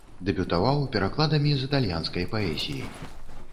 Дэбютаваў перакладамі з італьянскай паэзіі.